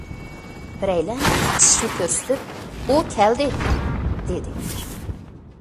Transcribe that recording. بىرەيلەن ئىشىكنى كۆرسىتىپ‹‹ ئۇ كەلدى!››، دېدى.